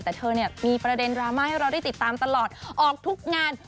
แต่เธอเนี่ยมีประเด็นดราม่าให้เราได้ติดตามตลอดออกทุกงาน